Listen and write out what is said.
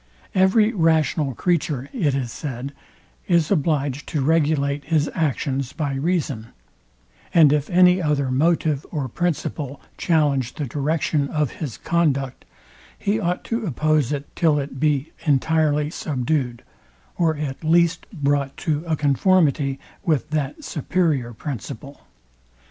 Every rational creature, it is said, is obliged to regulate his actions by reason; and if any other motive or principle challenge the direction of his conduct, he ought to oppose it, till it be entirely subdued, or at least brought to a conformity with that superior principle.